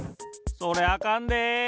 それあかんで！